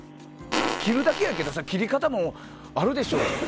切るだけやけど切り方もあるでしょうに。